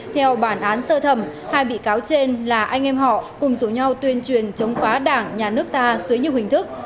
theo bản án sơ thẩm hai bị cáo trên là anh em họ cùng rủ nhau tuyên truyền chống phá đảng nhà nước ta dưới nhiều hình thức